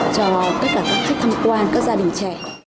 cho tất cả các khách tham quan các gia đình trẻ